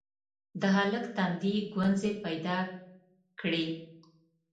د هلک تندي ګونځې پيدا کړې: